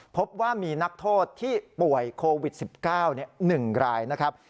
พบว่ามีนักโทษที่ป่วยโควิด๑๙๑รายนะครับ